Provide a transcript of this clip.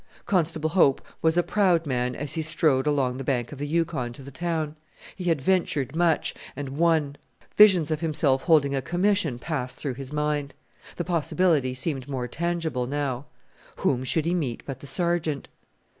Constable Hope was a proud man as he strode along the bank of the Yukon to the town. He had ventured much, and won. Visions of himself holding a commission passed through his mind. The possibility seemed more tangible now. Whom should he meet but the Sergeant?